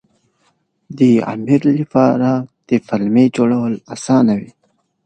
د امیر لپاره د پلمې جوړول اسانه وو.